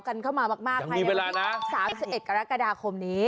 กันเข้ามามากภายในเวลา๓๑กรกฎาคมนี้